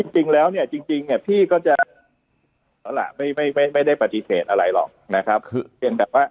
จริงพี่ก็จะไม่ได้ปฏิเสธอะไรหรอกนะครับ